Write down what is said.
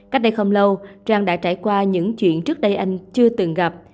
cách đây không lâu trang đã trải qua những chuyện trước đây anh chưa từng gặp